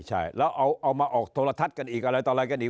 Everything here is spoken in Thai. ใช่แล้วเอามาออกโทรทัศน์กันอีกอะไรต่ออะไรกันอีก